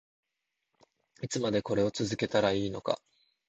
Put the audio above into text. いつまでこれを続けたらいいのか